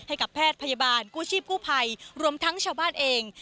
ให้กับแพทย์พยาบาลกู้ชีพกู้ภัยรวมทั้งชาวบ้านเอง